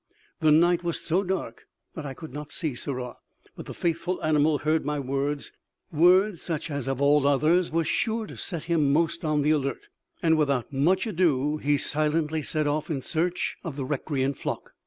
The night was so dark that I could not see Sirrah, but the faithful animal heard my words words such as of all others were sure to set him most on the alert; and without much ado he silently set off in search of the recreant flock.